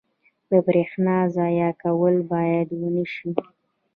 • د برېښنا ضایع کول باید ونه شي.